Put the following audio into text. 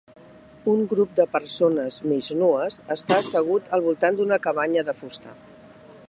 Un grup de persones mig nues està assegut al voltant d'una cabanya de fusta.